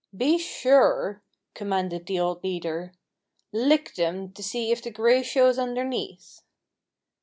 "Be sure!" commanded the old leader. "Lick them to see if the gray shows underneath."